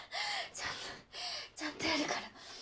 ちゃんとちゃんとやるから。